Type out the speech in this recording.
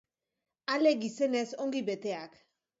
Ale gizenez ongi beteak.